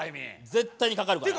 絶対にかかるからな。